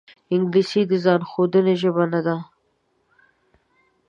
انګلیسي د ځان ښودنې ژبه نه ده